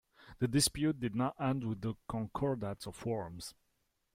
The dispute did not end with the Concordat of Worms.